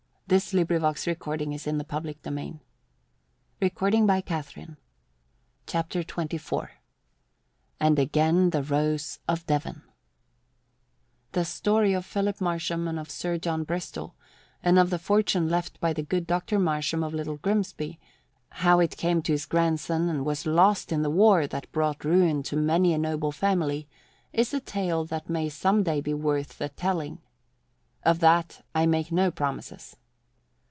There is no place for Philip Marsham in my servants' hall. Under my roof he is my guest." CHAPTER XXIV AND AGAIN THE ROSE OF DEVON The story of Philip Marsham and of Sir John Bristol, and of the fortune left by the good Doctor Marsham of Little Grimsby, how it came to his grandson and was lost in the war that brought ruin to many a noble family, is a tale that may some day be worth the telling. Of that, I make no promises.